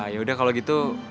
yaudah kalau gitu